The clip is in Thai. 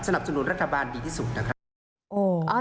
นุนรัฐบาลดีที่สุดนะครับ